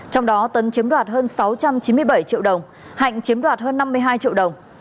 trong đó tấn chiếm đoạt hơn sáu trăm chín mươi bảy triệu đồng hạnh chiếm đoạt hơn năm mươi hai triệu đồng